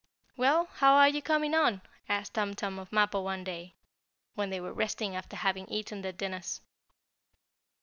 "Well, how are you coming on?" asked Tum Tum of Mappo one day, when they were resting after having eaten their dinners.